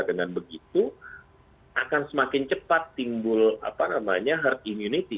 dengan begitu akan semakin cepat timbul herd immunity